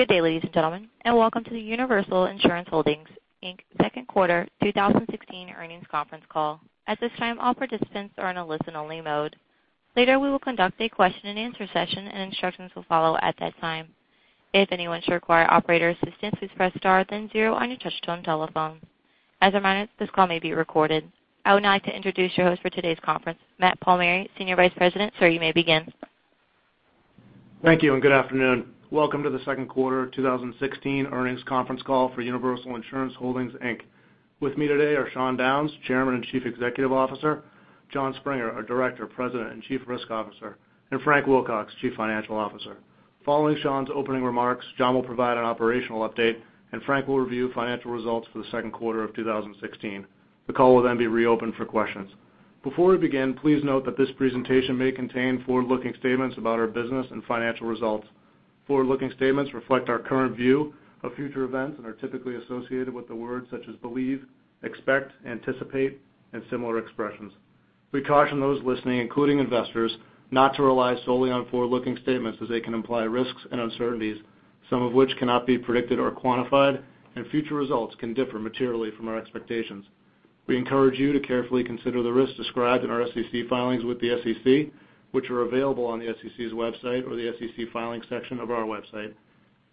Good day, ladies and gentlemen, and welcome to the Universal Insurance Holdings, Inc. second quarter 2016 earnings conference call. At this time, all participants are in a listen-only mode. Later, we will conduct a question-and-answer session, and instructions will follow at that time. If anyone should require operator assistance, please press star then zero on your touch-tone telephone. As a reminder, this call may be recorded. I would now like to introduce your host for today's conference, Matt Palmieri, Senior Vice President. Sir, you may begin. Thank you. Good afternoon. Welcome to the second quarter 2016 earnings conference call for Universal Insurance Holdings, Inc. With me today are Sean Downes, Chairman and Chief Executive Officer, Jon Springer, our Director, President and Chief Risk Officer, and Frank Wilcox, Chief Financial Officer. Following Sean's opening remarks, Jon will provide an operational update, and Frank will review financial results for the second quarter of 2016. The call will then be reopened for questions. Before we begin, please note that this presentation may contain forward-looking statements about our business and financial results. Forward-looking statements reflect our current view of future events and are typically associated with the words such as believe, expect, anticipate, and similar expressions. We caution those listening, including investors, not to rely solely on forward-looking statements as they can imply risks and uncertainties, some of which cannot be predicted or quantified, and future results can differ materially from our expectations. We encourage you to carefully consider the risks described in our SEC filings with the SEC, which are available on the SEC's website or the SEC filings section of our website.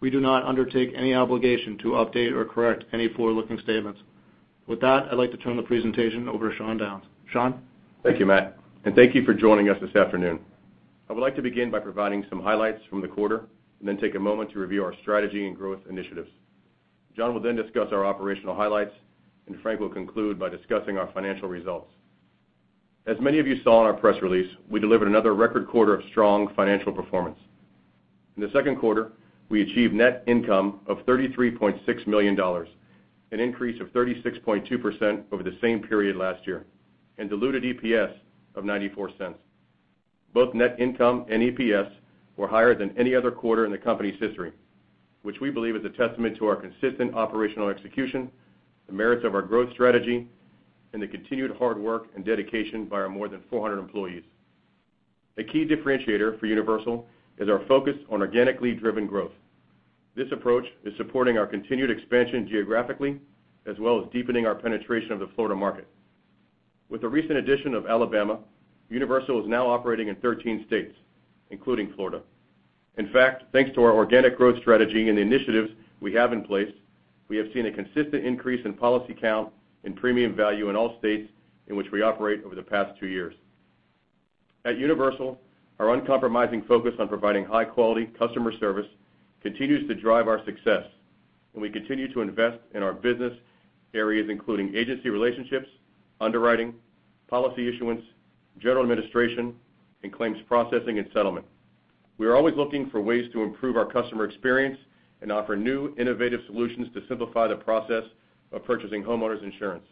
We do not undertake any obligation to update or correct any forward-looking statements. With that, I'd like to turn the presentation over to Sean Downes. Sean? Thank you, Matt. Thank you for joining us this afternoon. I would like to begin by providing some highlights from the quarter and then take a moment to review our strategy and growth initiatives. Jon will then discuss our operational highlights, and Frank will conclude by discussing our financial results. As many of you saw in our press release, we delivered another record quarter of strong financial performance. In the second quarter, we achieved net income of $33.6 million, an increase of 36.2% over the same period last year, and diluted EPS of $0.94. Both net income and EPS were higher than any other quarter in the company's history, which we believe is a testament to our consistent operational execution, the merits of our growth strategy, and the continued hard work and dedication by our more than 400 employees. A key differentiator for Universal is our focus on organically driven growth. This approach is supporting our continued expansion geographically as well as deepening our penetration of the Florida market. With the recent addition of Alabama, Universal is now operating in 13 states, including Florida. In fact, thanks to our organic growth strategy and the initiatives we have in place, we have seen a consistent increase in policy count and premium value in all states in which we operate over the past two years. At Universal, our uncompromising focus on providing high-quality customer service continues to drive our success, and we continue to invest in our business areas, including agency relationships, underwriting, policy issuance, general administration, and claims processing and settlement. We are always looking for ways to improve our customer experience and offer new, innovative solutions to simplify the process of purchasing homeowners insurance,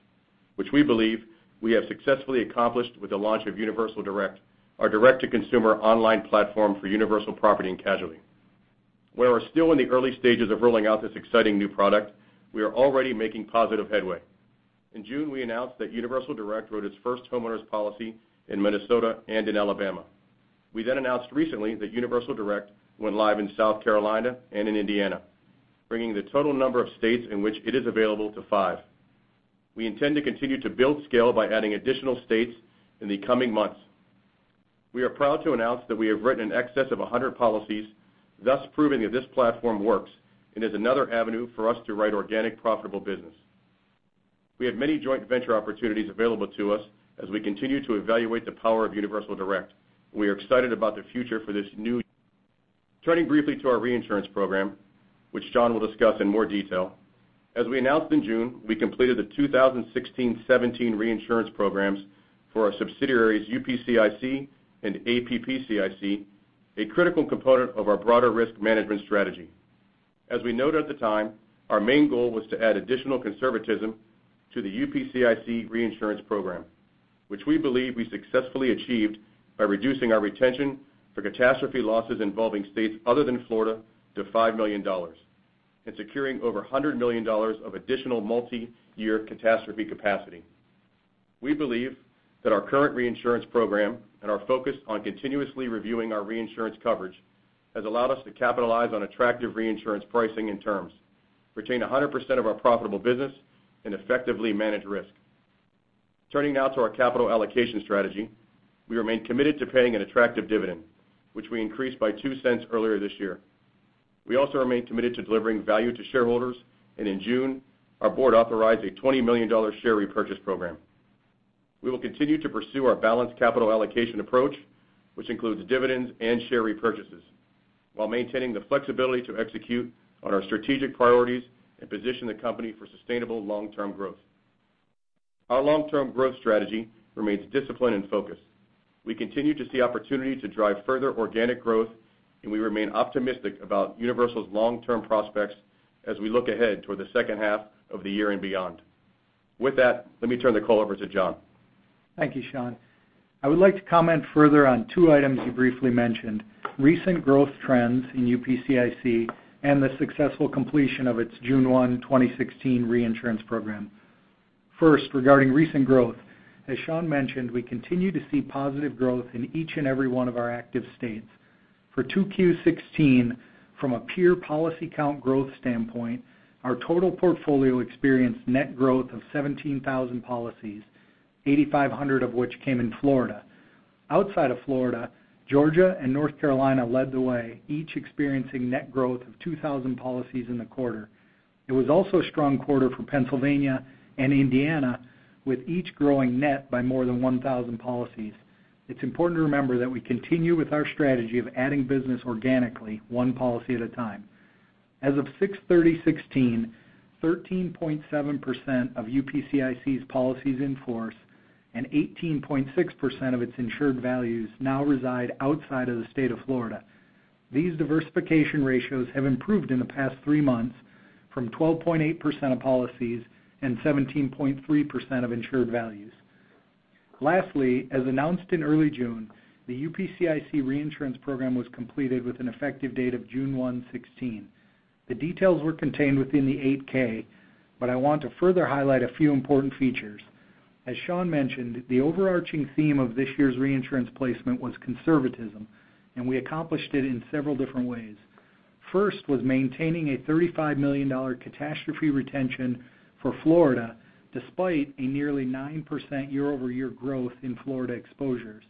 which we believe we have successfully accomplished with the launch of Universal Direct, our direct-to-consumer online platform for Universal Property and Casualty. We're still in the early stages of rolling out this exciting new product, we are already making positive headway. In June, we announced that Universal Direct wrote its first homeowners policy in Minnesota and in Alabama. We announced recently that Universal Direct went live in South Carolina and in Indiana, bringing the total number of states in which it is available to five. We intend to continue to build scale by adding additional states in the coming months. We are proud to announce that we have written in excess of 100 policies, thus proving that this platform works and is another avenue for us to write organic, profitable business. We have many joint venture opportunities available to us as we continue to evaluate the power of Universal Direct. We are excited about the future for this new. Turning briefly to our reinsurance program, which Jon will discuss in more detail. As we announced in June, we completed the 2016-17 reinsurance programs for our subsidiaries UPCIC and APPCIC, a critical component of our broader risk management strategy. As we noted at the time, our main goal was to add additional conservatism to the UPCIC reinsurance program, which we believe we successfully achieved by reducing our retention for catastrophe losses involving states other than Florida to $5 million and securing over $100 million of additional multiyear catastrophe capacity. We believe that our current reinsurance program and our focus on continuously reviewing our reinsurance coverage has allowed us to capitalize on attractive reinsurance pricing in terms, retain 100% of our profitable business, and effectively manage risk. Turning now to our capital allocation strategy. We remain committed to paying an attractive dividend, which we increased by $0.02 earlier this year. We also remain committed to delivering value to shareholders, and in June, our board authorized a $20 million share repurchase program. We will continue to pursue our balanced capital allocation approach, which includes dividends and share repurchases, while maintaining the flexibility to execute on our strategic priorities and position the company for sustainable long-term growth. Our long-term growth strategy remains disciplined and focused. We continue to see opportunity to drive further organic growth. We remain optimistic about Universal's long-term prospects as we look ahead toward the second half of the year and beyond. With that, let me turn the call over to Jon. Thank you, Sean. I would like to comment further on two items you briefly mentioned, recent growth trends in UPCIC and the successful completion of its June 1, 2016 reinsurance program. First, regarding recent growth. As Sean mentioned, we continue to see positive growth in each and every one of our active states. For 2Q16, from a pure policy count growth standpoint, our total portfolio experienced net growth of 17,000 policies, 8,500 of which came in Florida. Outside of Florida, Georgia and North Carolina led the way, each experiencing net growth of 2,000 policies in the quarter. It was also a strong quarter for Pennsylvania and Indiana, with each growing net by more than 1,000 policies. It's important to remember that we continue with our strategy of adding business organically, one policy at a time. As of 06/30/16, 13.7% of UPCIC's policies in force and 18.6% of its insured values now reside outside of the state of Florida. These diversification ratios have improved in the past three months from 12.8% of policies and 17.3% of insured values. Lastly, as announced in early June, the UPCIC reinsurance program was completed with an effective date of June 1, 2016. The details were contained within the 8-K. I want to further highlight a few important features. As Sean mentioned, the overarching theme of this year's reinsurance placement was conservatism. We accomplished it in several different ways. First was maintaining a $35 million catastrophe retention for Florida, despite a nearly 9% year-over-year growth in Florida exposures.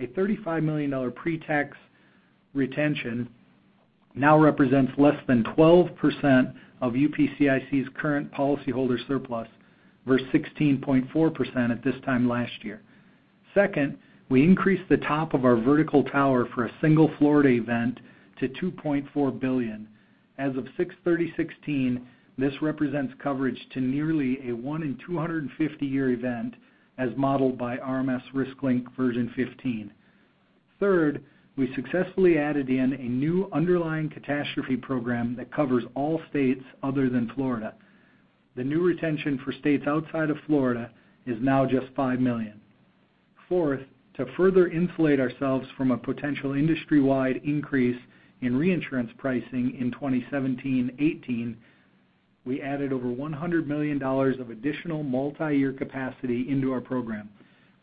A $35 million pre-tax retention now represents less than 12% of UPCIC's current policyholder surplus versus 16.4% at this time last year. Second, we increased the top of our vertical tower for a single Florida event to $2.4 billion. As of 06/30/16, this represents coverage to nearly a one in 250-year event as modeled by RMS RiskLink version 15. Third, we successfully added in a new underlying catastrophe program that covers all states other than Florida. The new retention for states outside of Florida is now just $5 million. Fourth, to further insulate ourselves from a potential industry-wide increase in reinsurance pricing in 2017-'18, we added over $100 million of additional multiyear capacity into our program,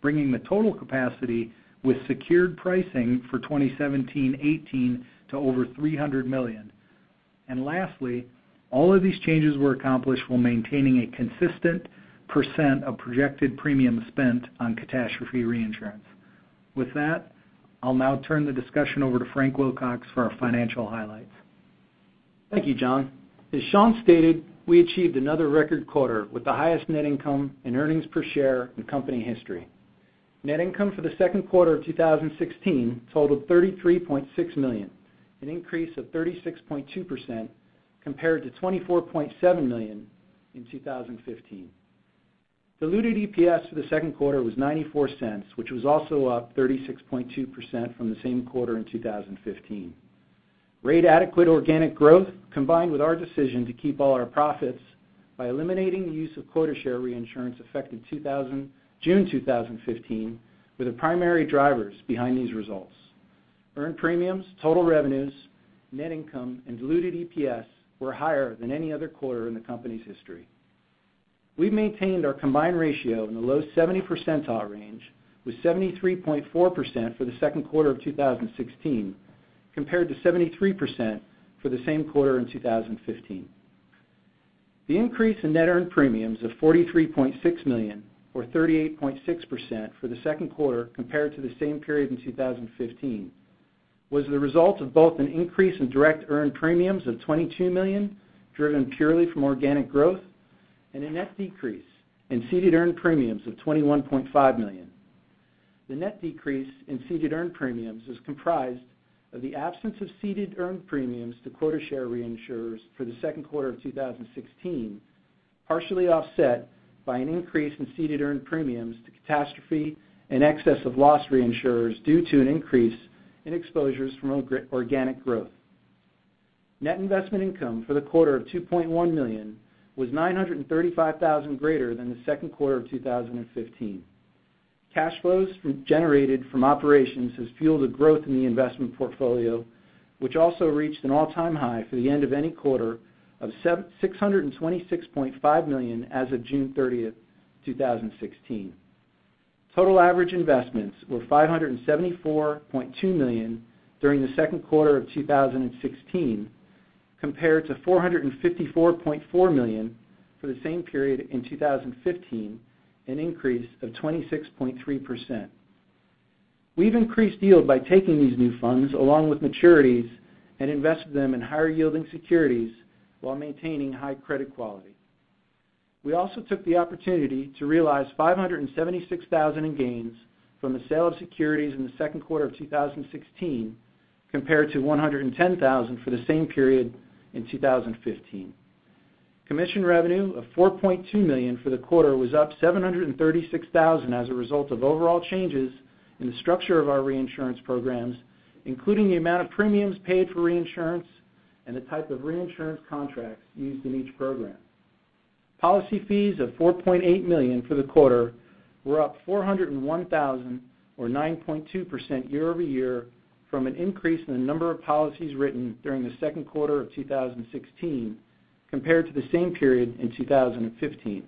bringing the total capacity with secured pricing for 2017-'18 to over $300 million. Lastly, all of these changes were accomplished while maintaining a consistent % of projected premium spent on catastrophe reinsurance. With that, I'll now turn the discussion over to Frank Wilcox for our financial highlights. Thank you, Jon. As Sean stated, we achieved another record quarter with the highest net income and earnings per share in company history. Net income for the second quarter of 2016 totaled $33.6 million, an increase of 36.2% compared to $24.7 million in 2015. Diluted EPS for the second quarter was $0.94, which was also up 36.2% from the same quarter in 2015. Rate-adequate organic growth, combined with our decision to keep all our profits by eliminating the use of quota share reinsurance effective June 2015, were the primary drivers behind these results. Earned premiums, total revenues, net income, and diluted EPS were higher than any other quarter in the company's history. We've maintained our combined ratio in the low 70 percentile range, with 73.4% for the second quarter of 2016, compared to 73% for the same quarter in 2015. The increase in net earned premiums of $43.6 million or 38.6% for the second quarter compared to the same period in 2015 was the result of both an increase in direct earned premiums of $22 million, driven purely from organic growth, and a net decrease in ceded earned premiums of $21.5 million. The net decrease in ceded earned premiums is comprised of the absence of ceded earned premiums to quota share reinsurers for the second quarter of 2016, partially offset by an increase in ceded earned premiums to catastrophe and excess of loss reinsurers due to an increase in exposures from organic growth. Net investment income for the quarter of $2.1 million was $935,000 greater than the second quarter of 2015. Cash flows generated from operations has fueled a growth in the investment portfolio, which also reached an all-time high for the end of any quarter of $626.5 million as of June 30th, 2016. Total average investments were $574.2 million during the second quarter of 2016, compared to $454.4 million for the same period in 2015, an increase of 26.3%. We've increased yield by taking these new funds, along with maturities, and invested them in higher-yielding securities while maintaining high credit quality. We also took the opportunity to realize $576,000 in gains from the sale of securities in the second quarter of 2016, compared to $110,000 for the same period in 2015. Commission revenue of $4.2 million for the quarter was up $736,000 as a result of overall changes in the structure of our reinsurance programs, including the amount of premiums paid for reinsurance and the type of reinsurance contracts used in each program. Policy fees of $4.8 million for the quarter were up $401,000 or 9.2% year-over-year from an increase in the number of policies written during the second quarter of 2016 compared to the same period in 2015.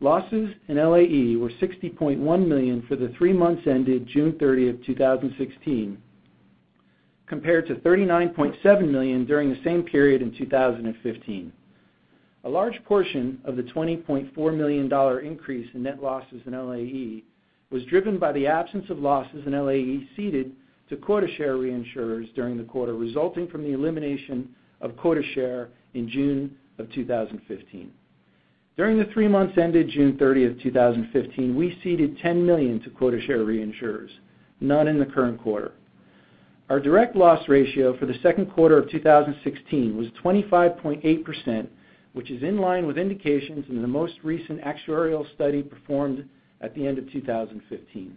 Losses in LAE were $60.1 million for the three months ended June 30th, 2016, compared to $39.7 million during the same period in 2015. A large portion of the $20.4 million increase in net losses in LAE was driven by the absence of losses in LAE ceded to quota share reinsurers during the quarter, resulting from the elimination of quota share in June of 2015. During the three months ended June 30th, 2015, we ceded $10 million to quota share reinsurers, none in the current quarter. Our direct loss ratio for the second quarter of 2016 was 25.8%, which is in line with indications in the most recent actuarial study performed at the end of 2015.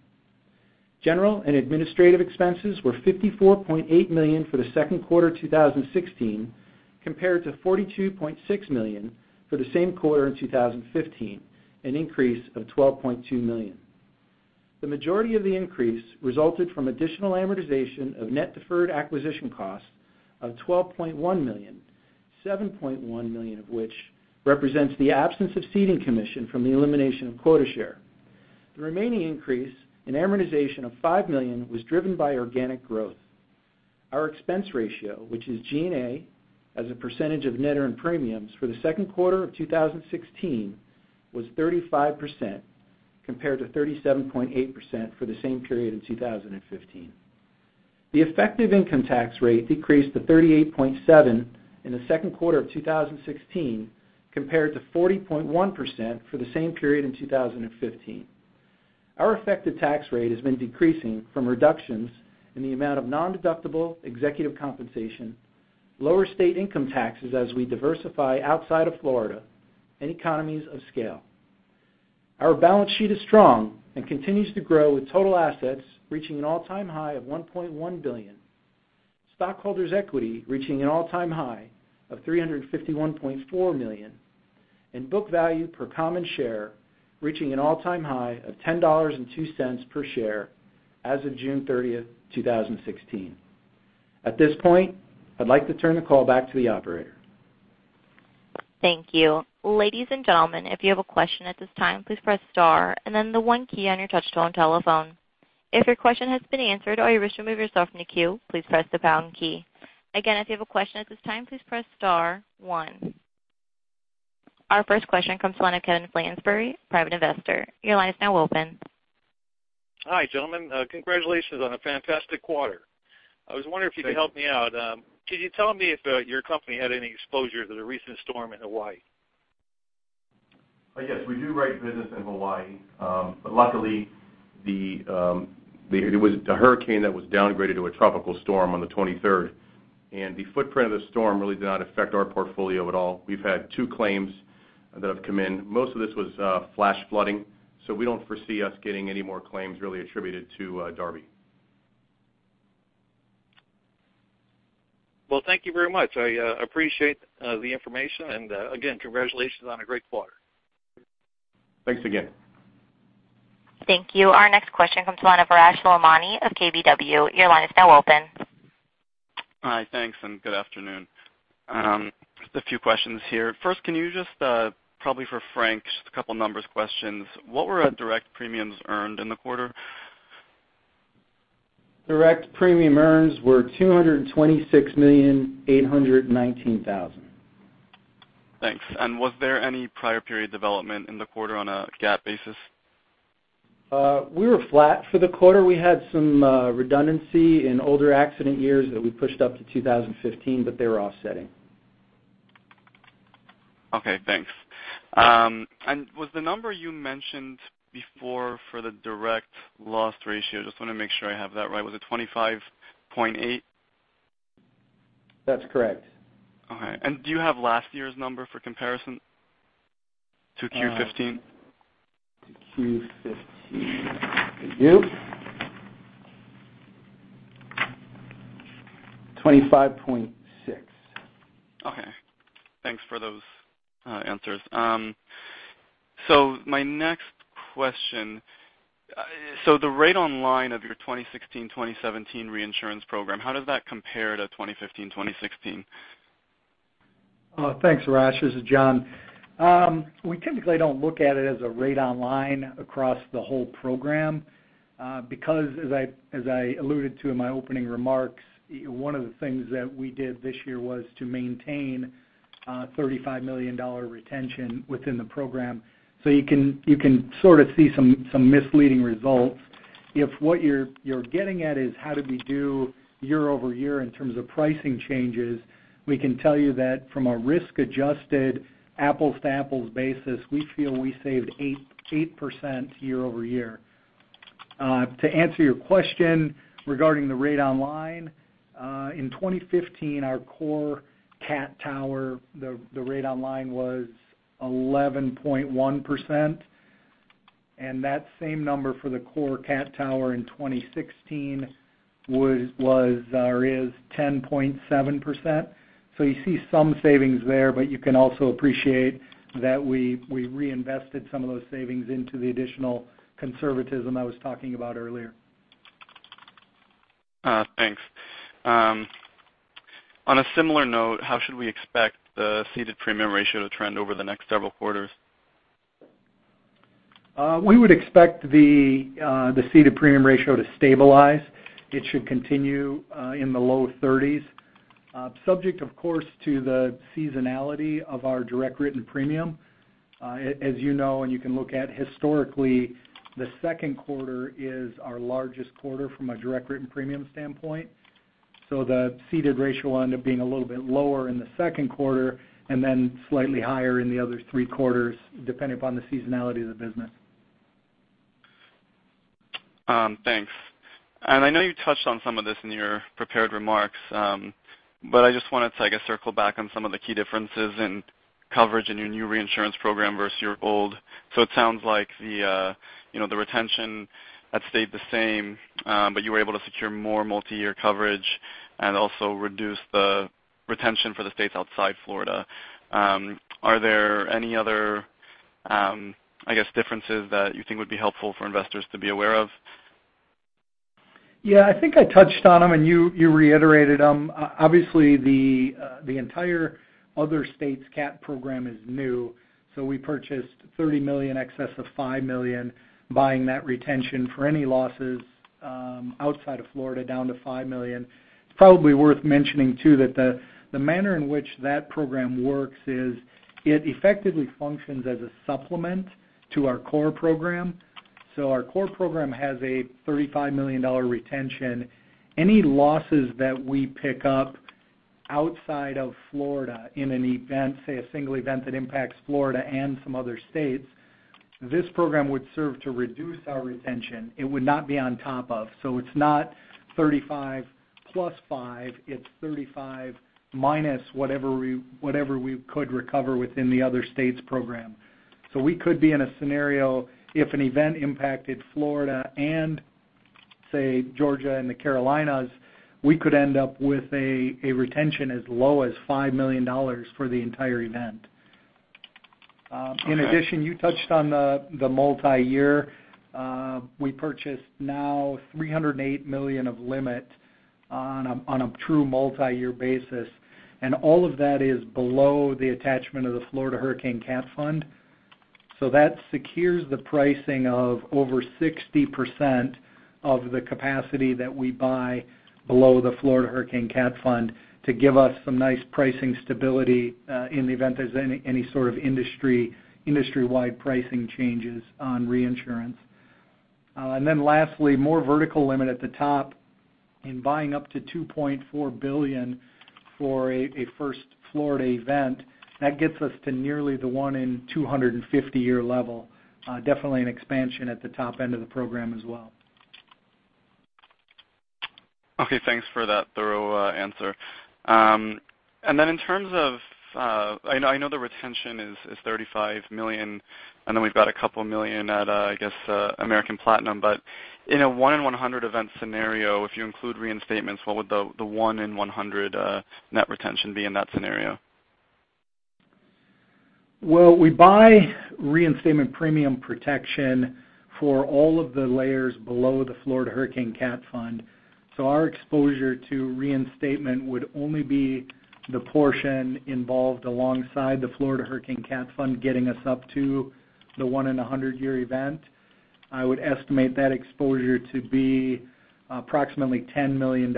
General and administrative expenses were $54.8 million for the second quarter 2016, compared to $42.6 million for the same quarter in 2015, an increase of $12.2 million. The majority of the increase resulted from additional amortization of net deferred acquisition costs of $12.1 million, $7.1 million of which represents the absence of ceding commission from the elimination of quota share. The remaining increase in amortization of $5 million was driven by organic growth. Our expense ratio, which is G&A as a percentage of net earned premiums for the second quarter of 2016, was 35%, compared to 37.8% for the same period in 2015. The effective income tax rate decreased to 38.7% in the second quarter of 2016, compared to 40.1% for the same period in 2015. Our effective tax rate has been decreasing from reductions in the amount of nondeductible executive compensation, lower state income taxes as we diversify outside of Florida, and economies of scale. Our balance sheet is strong and continues to grow, with total assets reaching an all-time high of $1.1 billion. Stockholders' equity reaching an all-time high of $351.4 million, and book value per common share reaching an all-time high of $10.02 per share as of June 30th, 2016. At this point, I'd like to turn the call back to the operator. Thank you. Ladies and gentlemen, if you have a question at this time, please press star and then the one key on your touchtone telephone. If your question has been answered or you wish to remove yourself from the queue, please press the pound key. Again, if you have a question at this time, please press star one. Our first question comes from the line of Kevin Flansbury, private investor. Your line is now open. Hi, gentlemen. Congratulations on a fantastic quarter. I was wondering if you could help me out. Could you tell me if your company had any exposure to the recent storm in Hawaii? Yes, we do write business in Hawaii. Luckily, it was a hurricane that was downgraded to a tropical storm on the 23rd. The footprint of the storm really did not affect our portfolio at all. We've had two claims that have come in. Most of this was flash flooding, so we don't foresee us getting any more claims really attributed to Darby. Well, thank you very much. I appreciate the information. Again, congratulations on a great quarter. Thanks again. Thank you. Our next question comes the line of Arash Soleimani of KBW. Your line is now open. Hi, thanks, good afternoon. First, can you, probably for Frank, just a couple numbers questions. What were our direct premiums earned in the quarter? Direct premiums earned were $226,819,000. Thanks. Was there any prior period development in the quarter on a GAAP basis? We were flat for the quarter. We had some redundancy in older accident years that we pushed up to 2015, but they were offsetting. Okay, thanks. Was the number you mentioned before for the direct loss ratio, just want to make sure I have that right. Was it 25.8? That's correct. All right. Do you have last year's number for comparison to Q15? To Q15. I do. 25.6. Thanks for those answers. My next question, so the rate on line of your 2016-2017 reinsurance program, how does that compare to 2015-2016? Thanks, Arash. This is Jon. We typically don't look at it as a rate on line across the whole program, because as I alluded to in my opening remarks, one of the things that we did this year was to maintain a $35 million retention within the program. You can sort of see some misleading results. If what you're getting at is how did we do year-over-year in terms of pricing changes, we can tell you that from a risk-adjusted, apples to apples basis, we feel we saved 8% year-over-year. To answer your question regarding the rate on line, in 2015, our core cat tower, the rate on line was 11.1%, and that same number for the core cat tower in 2016 Was or is 10.7%. You see some savings there, but you can also appreciate that we reinvested some of those savings into the additional conservatism I was talking about earlier. Thanks. On a similar note, how should we expect the ceded premium ratio to trend over the next several quarters? We would expect the ceded premium ratio to stabilize. It should continue in the low 30s, subject of course, to the seasonality of our direct written premium. As you know, and you can look at historically, the second quarter is our largest quarter from a direct written premium standpoint. The ceded ratio will end up being a little bit lower in the second quarter, then slightly higher in the other three quarters, depending upon the seasonality of the business. Thanks. I know you touched on some of this in your prepared remarks, I just wanted to, I guess, circle back on some of the key differences in coverage in your new reinsurance program versus your old. It sounds like the retention had stayed the same, you were able to secure more multi-year coverage and also reduce the retention for the states outside Florida. Are there any other, I guess, differences that you think would be helpful for investors to be aware of? Yeah, I think I touched on them and you reiterated them. Obviously, the entire other states CAT program is new, we purchased $30 million excess of $5 million, buying that retention for any losses outside of Florida down to $5 million. It's probably worth mentioning too, that the manner in which that program works is it effectively functions as a supplement to our core program. Our core program has a $35 million retention. Any losses that we pick up outside of Florida in an event, say, a single event that impacts Florida and some other states, this program would serve to reduce our retention. It would not be on top of. It's not 35 plus five, it's 35 minus whatever we could recover within the other states program. We could be in a scenario, if an event impacted Florida and say, Georgia and the Carolinas, we could end up with a retention as low as $5 million for the entire event. Okay. In addition, you touched on the multi-year. We purchased now $308 million of limit on a true multi-year basis, and all of that is below the attachment of the Florida Hurricane Catastrophe Fund. That secures the pricing of over 60% of the capacity that we buy below the Florida Hurricane Catastrophe Fund to give us some nice pricing stability in the event there's any sort of industry-wide pricing changes on reinsurance. Lastly, more vertical limit at the top in buying up to $2.4 billion for a first Florida event. That gets us to nearly the 1 in 250 year level. Definitely an expansion at the top end of the program as well. Okay, thanks for that thorough answer. In terms of I know the retention is $35 million, and then we've got a couple million at, I guess, American Platinum. In a 1 in 100 event scenario, if you include reinstatements, what would the 1 in 100 net retention be in that scenario? Well, we buy reinstatement premium protection for all of the layers below the Florida Hurricane Catastrophe Fund. Our exposure to reinstatement would only be the portion involved alongside the Florida Hurricane Catastrophe Fund, getting us up to the 1 in 100 year event. I would estimate that exposure to be approximately $10 million.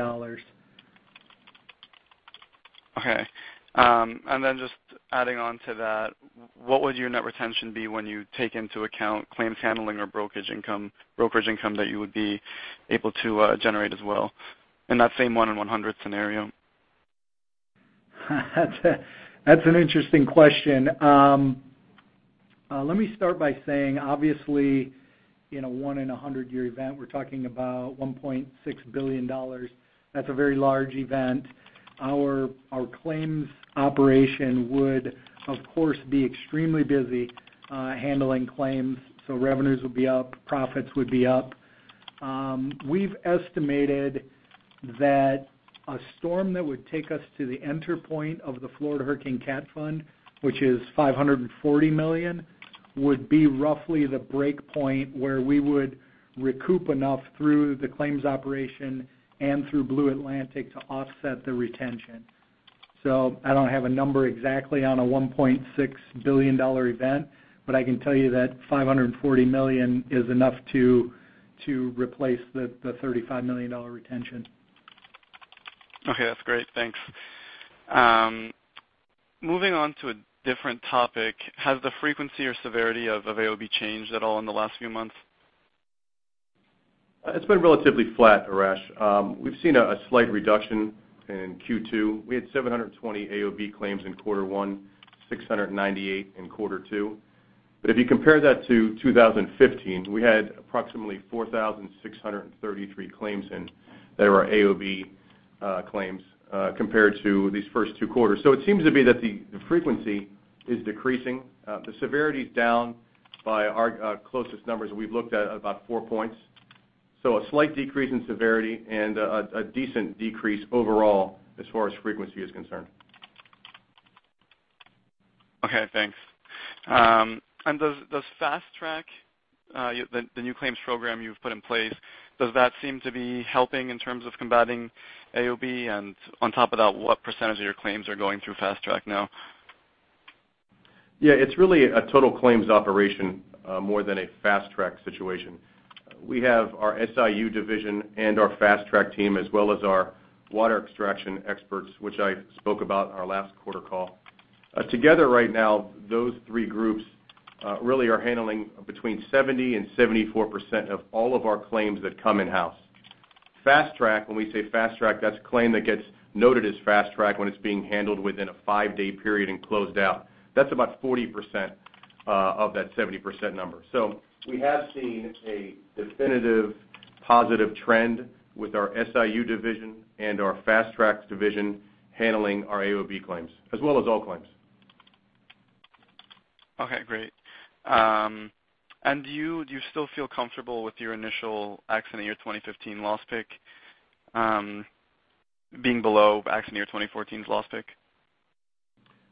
Okay. Just adding on to that, what would your net retention be when you take into account claims handling or brokerage income that you would be able to generate as well in that same one in 100 scenario? That's an interesting question. Let me start by saying, obviously, in a one in 100 year event, we're talking about $1.6 billion. That's a very large event. Our claims operation would, of course, be extremely busy handling claims, so revenues would be up, profits would be up. We've estimated that a storm that would take us to the enter point of the Florida Hurricane Catastrophe Fund, which is $540 million, would be roughly the break point where we would recoup enough through the claims operation and through Blue Atlantic to offset the retention. I don't have a number exactly on a $1.6 billion event, but I can tell you that $540 million is enough to replace the $35 million retention. Okay, that's great. Thanks. Moving on to a different topic, has the frequency or severity of AOB changed at all in the last few months? It's been relatively flat, Arash. We've seen a slight reduction in Q2. We had 720 AOB claims in quarter one, 698 in quarter two. If you compare that to 2015, we had approximately 4,633 claims in that were AOB claims compared to these first two quarters. It seems to be that the frequency is decreasing. The severity's down by our closest numbers we've looked at, about four points. A slight decrease in severity and a decent decrease overall as far as frequency is concerned. Okay, thanks. Does Fast Track, the new claims program you've put in place, does that seem to be helping in terms of combating AOB? On top of that, what % of your claims are going through Fast Track now? Yeah, it's really a total claims operation more than a Fast Track situation. We have our SIU division and our Fast Track team, as well as our water extraction experts, which I spoke about in our last quarter call. Together right now, those three groups really are handling between 70% and 74% of all of our claims that come in-house. Fast Track, when we say Fast Track, that's a claim that gets noted as Fast Track when it's being handled within a five-day period and closed out. That's about 40% of that 70% number. We have seen a definitive positive trend with our SIU division and our Fast Track division handling our AOB claims as well as all claims. Okay, great. Do you still feel comfortable with your initial accident year 2015 loss pick being below accident year 2014's loss pick?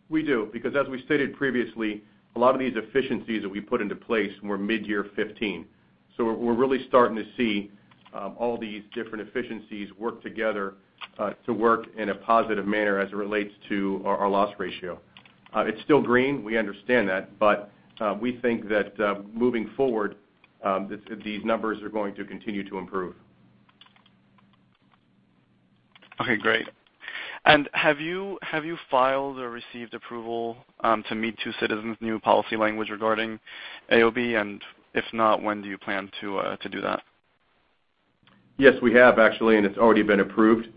We do, because as we stated previously, a lot of these efficiencies that we put into place were mid-year 2015. We're really starting to see all these different efficiencies work together to work in a positive manner as it relates to our loss ratio. It's still green, we understand that, we think that moving forward, these numbers are going to continue to improve. Okay, great. Have you filed or received approval to meet to Citizens' new policy language regarding AOB? If not, when do you plan to do that? Yes, we have actually, it's already been approved.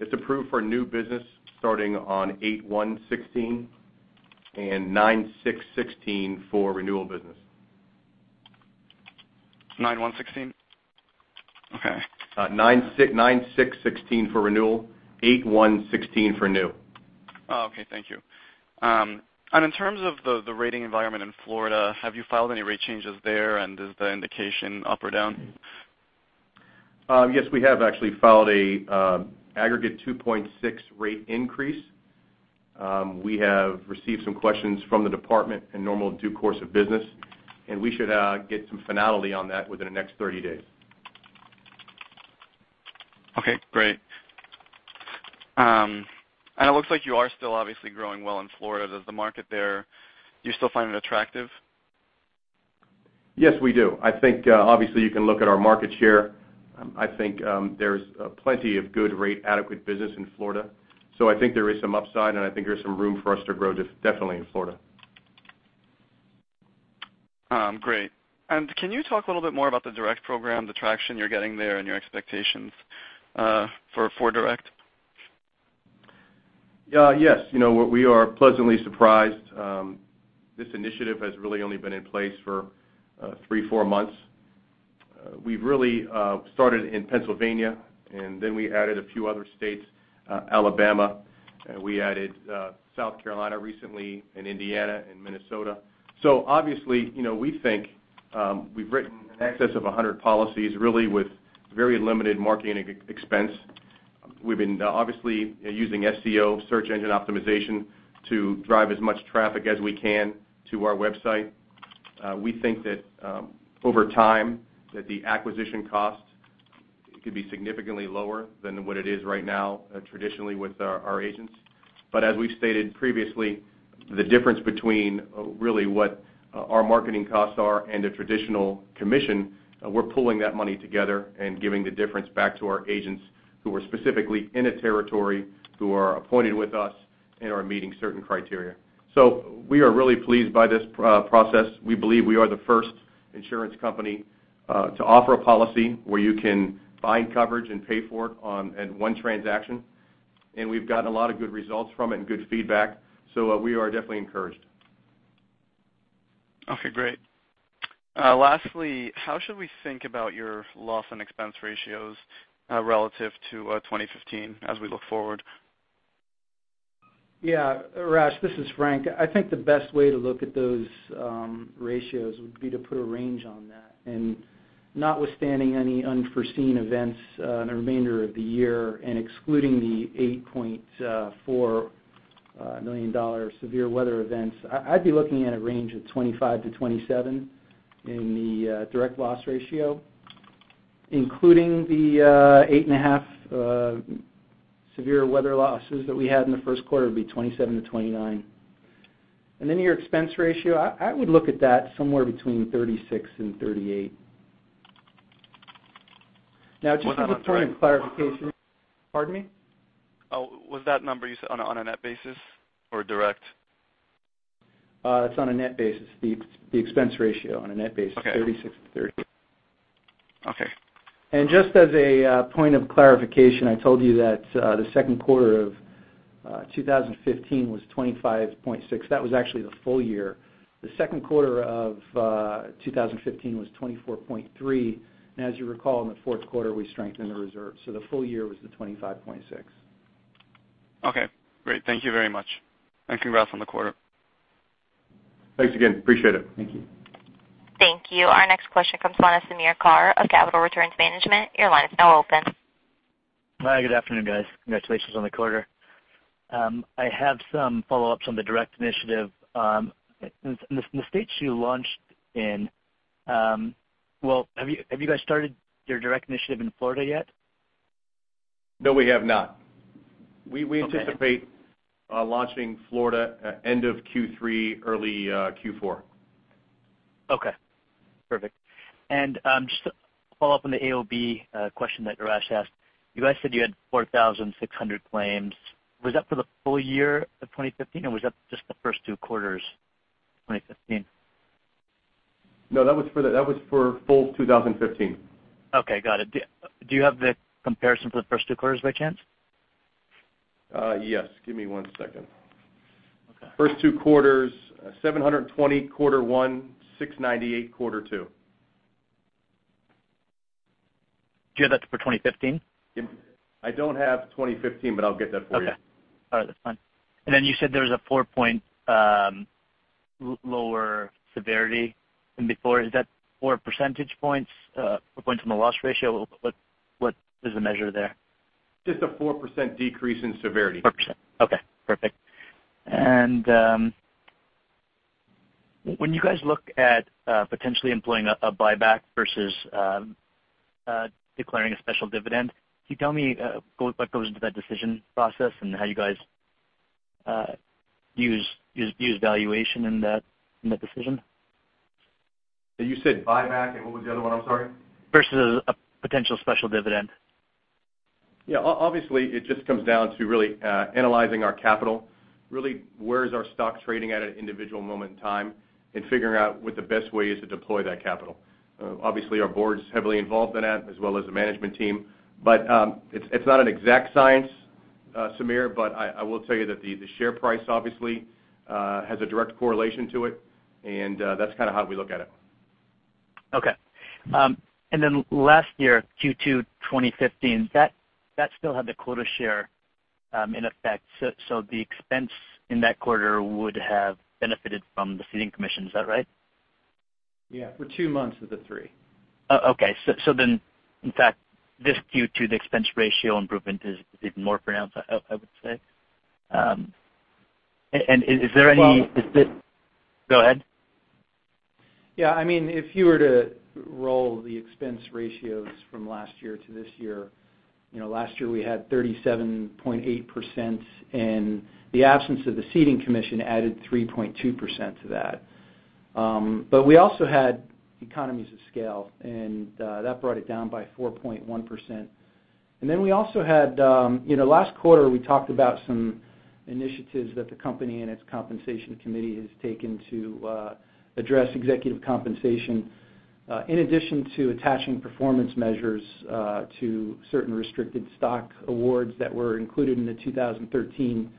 It's approved for new business starting on 8/1/2016, and 9/6/2016 for renewal business. 9/1/2016? Okay. 9/1/2016 for renewal, 8/1/2016 for new. Oh, okay. Thank you. In terms of the rating environment in Florida, have you filed any rate changes there? Is the indication up or down? Yes, we have actually filed an aggregate 2.6 rate increase. We have received some questions from the department in normal due course of business, and we should get some finality on that within the next 30 days. Okay, great. It looks like you are still obviously growing well in Florida. Does the market there, do you still find it attractive? Yes, we do. I think obviously you can look at our market share. I think there's plenty of good rate adequate business in Florida. I think there is some upside, and I think there's some room for us to grow definitely in Florida. Great. Can you talk a little bit more about the Universal Direct program, the traction you're getting there, and your expectations for Universal Direct? Yes. We are pleasantly surprised. This initiative has really only been in place for three, four months. We've really started in Pennsylvania, then we added a few other states, Alabama, and we added South Carolina recently, and Indiana, and Minnesota. Obviously, we think we've written in excess of 100 policies, really with very limited marketing expense. We've been obviously using SEO, search engine optimization, to drive as much traffic as we can to our website. We think that over time, that the acquisition cost could be significantly lower than what it is right now, traditionally with our agents. As we've stated previously, the difference between really what our marketing costs are and the traditional commission, we're pooling that money together and giving the difference back to our agents who are specifically in a territory, who are appointed with us and are meeting certain criteria. We are really pleased by this process. We believe we are the first insurance company to offer a policy where you can bind coverage and pay for it at one transaction, we've gotten a lot of good results from it and good feedback, we are definitely encouraged. Okay, great. Lastly, how should we think about your loss and expense ratios relative to 2015 as we look forward? Yeah. Arash, this is Frank. I think the best way to look at those ratios would be to put a range on that. Notwithstanding any unforeseen events in the remainder of the year and excluding the $8.4 million severe weather events, I'd be looking at a range of 25%-27% in the direct loss ratio. Including the eight and a half severe weather losses that we had in the first quarter, would be 27%-29%. Your expense ratio, I would look at that somewhere between 36% and 38%. Just as a point of clarification- One second, Frank. Pardon me? Oh, was that number you said on a net basis or direct? It's on a net basis, the expense ratio on a net basis. Okay. 36%-38%. Okay. Just as a point of clarification, I told you that the second quarter of 2015 was 25.6. That was actually the full year. The second quarter of 2015 was 24.3, and as you recall, in the fourth quarter, we strengthened the reserve. The full year was the 25.6. Okay, great. Thank you very much. Congrats on the quarter. Thanks again. Appreciate it. Thank you. Thank you. Our next question comes from Samir Khare of Capital Returns Management. Your line is now open. Hi, good afternoon, guys. Congratulations on the quarter. I have some follow-ups on the direct initiative. In the states you launched in, have you guys started your direct initiative in Florida yet? No, we have not. Okay. We anticipate launching Florida end of Q3, early Q4. Okay, perfect. Just to follow up on the AOB question that Arash asked, you guys said you had 4,600 claims. Was that for the full year of 2015, or was that just the first two quarters of 2015? No, that was for full 2015. Okay, got it. Do you have the comparison for the first two quarters by chance? Yes. Give me one second. Okay. First two quarters, 720 quarter one, 698 quarter two. Do you have that for 2015? I don't have 2015, but I'll get that for you. Okay. All right, that's fine. You said there was a four-point lower severity than before. Is that four percentage points, or points on the loss ratio? What is the measure there? Just a 4% decrease in severity. 4%. Okay, perfect. When you guys look at potentially employing a buyback versus declaring a special dividend, can you tell me what goes into that decision process and how you guys use valuation in that decision? You said buyback, what was the other one? I'm sorry. Versus a potential special dividend. Yeah. Obviously, it just comes down to really analyzing our capital, really where is our stock trading at an individual moment in time, and figuring out what the best way is to deploy that capital. Obviously, our board's heavily involved in that as well as the management team. It's not an exact science, Samir, but I will tell you that the share price obviously has a direct correlation to it, and that's kind of how we look at it. Okay. Last year, Q2 2015, that still had the quota share in effect. So the expense in that quarter would have benefited from the ceding commission, is that right? Yeah, for two months of the three. Oh, okay. In fact, this Q2, the expense ratio improvement is even more pronounced, I would say. Is there any- Well- Go ahead. Yeah. If you were to roll the expense ratios from last year to this year, last year we had 37.8%, the absence of the ceding commission added 3.2% to that. We also had economies of scale, that brought it down by 4.1%. We also had, last quarter, we talked about some initiatives that the company and its compensation committee has taken to address executive compensation in addition to attaching performance measures to certain restricted stock awards that were included in the 2013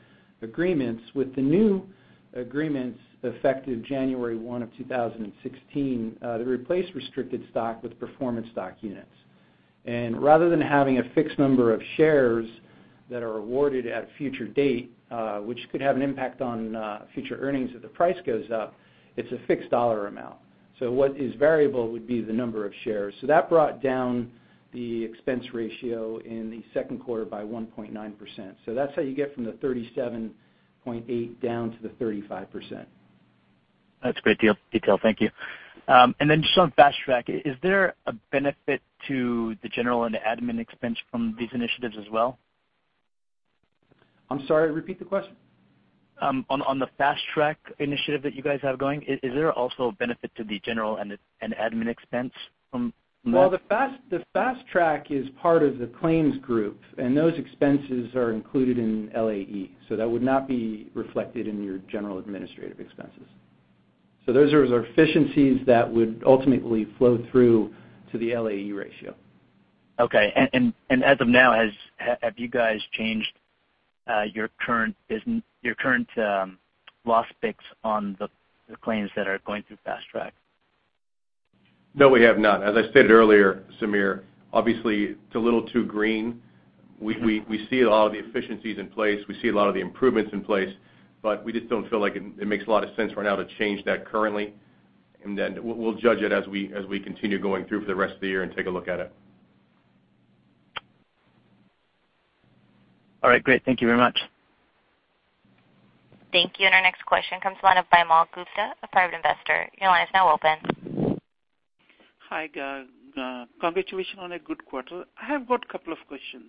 agreements with the new agreements effective January 1 of 2016, that replaced restricted stock with performance stock units. Rather than having a fixed number of shares that are awarded at a future date, which could have an impact on future earnings if the price goes up, it's a fixed dollar amount. What is variable would be the number of shares. That brought down the expense ratio in the second quarter by 1.9%. That's how you get from the 37.8 down to the 35%. That's a great detail. Thank you. Then just on Fast Track, is there a benefit to the general and admin expense from these initiatives as well? I'm sorry, repeat the question. On the Fast Track initiative that you guys have going, is there also a benefit to the general and admin expense from that? Well, the Fast Track is part of the claims group, and those expenses are included in LAE, so that would not be reflected in your general administrative expenses. Those are efficiencies that would ultimately flow through to the LAE ratio. Okay. As of now, have you guys changed your current loss picks on the claims that are going through Fast Track? No, we have not. As I stated earlier, Samir, obviously it's a little too green. We see a lot of the efficiencies in place, we see a lot of the improvements in place, we just don't feel like it makes a lot of sense right now to change that currently. Then we'll judge it as we continue going through for the rest of the year and take a look at it. All right, great. Thank you very much. Thank you. Our next question comes to the line of Bimal Gupta, a private investor. Your line is now open. Hi, congratulations on a good quarter. I have got a couple of questions.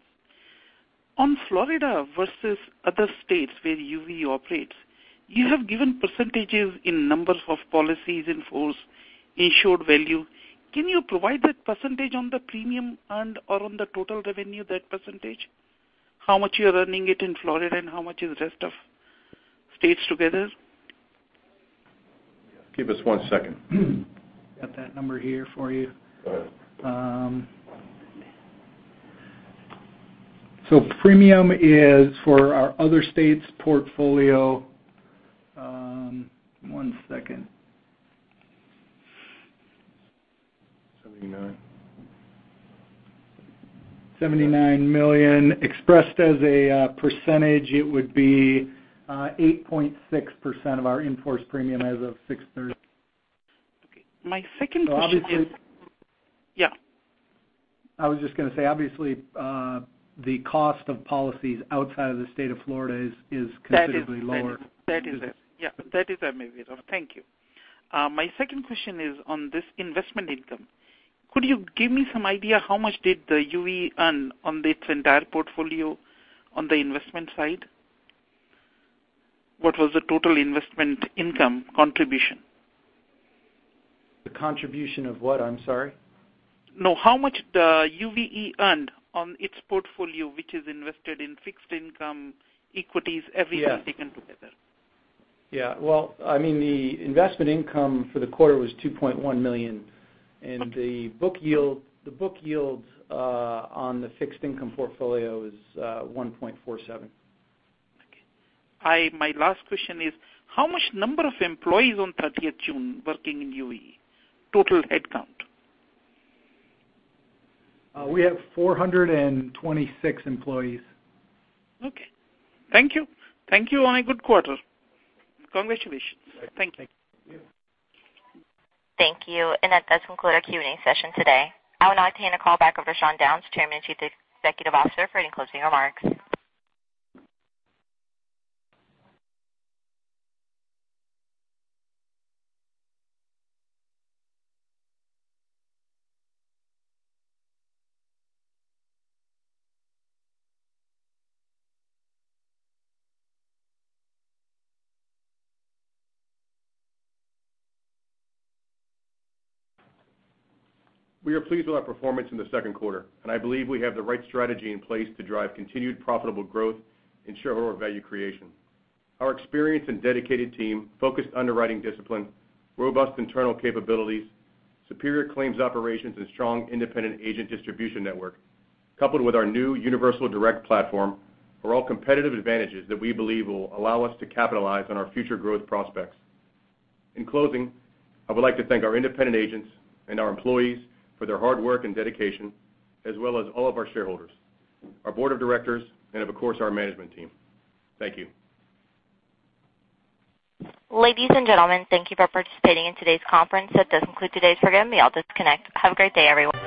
On Florida versus other states where UVE operates, you have given percentages in numbers of policies in force, insured value. Can you provide that percentage on the premium earned or on the total revenue, that percentage? How much you're earning it in Florida and how much is the rest of states together? Give us one second. Got that number here for you. Go ahead. Premium is for our other states' portfolio. One second. Seventy-nine. $79 million. Expressed as a percentage, it would be 8.6% of our in-force premium as of sixth thirty. Okay. My second question is. Obviously. Yeah. I was just going to say, obviously, the cost of policies outside of the state of Florida is considerably lower. That is it. Yeah. That is it, maybe. Thank you. My second question is on this investment income. Could you give me some idea how much did the UVE earn on its entire portfolio on the investment side? What was the total investment income contribution? The contribution of what? I'm sorry. No, how much the UVE earned on its portfolio, which is invested in fixed income equities, everything taken together. Yeah. Well, the investment income for the quarter was $2.1 million, and the book yield on the fixed income portfolio is 1.47%. Okay. My last question is, how much number of employees on 30th June working in UVE? Total headcount. We have 426 employees. Okay. Thank you. Thank you on a good quarter. Congratulations. Thank you. Thank you. Thank you. That does conclude our Q&A session today. I would now obtain a call back of Sean Downes, Chairman and Chief Executive Officer, for any closing remarks. We are pleased with our performance in the second quarter, and I believe we have the right strategy in place to drive continued profitable growth and shareholder value creation. Our experienced and dedicated team, focused underwriting discipline, robust internal capabilities, superior claims operations, and strong independent agent distribution network, coupled with our new Universal Direct platform, are all competitive advantages that we believe will allow us to capitalize on our future growth prospects. In closing, I would like to thank our independent agents and our employees for their hard work and dedication, as well as all of our shareholders, our board of directors, and of course, our management team. Thank you. Ladies and gentlemen, thank you for participating in today's conference. That does conclude today's program. You may all disconnect. Have a great day, everyone.